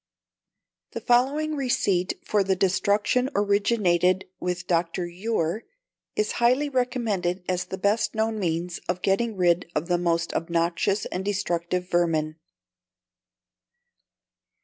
The following receipt for the destruction originated with Dr. Ure, and is highly recommended as the best known means of getting rid of these most obnoxious and destructive vermin.